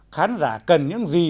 khán giả cần những gì